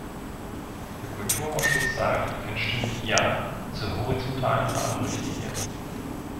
Der Kulturausschuss sagt einstimmig ja zur horizontalen Rahmenrichtlinie.